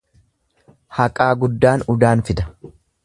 Haqaa guddaan udaan fida.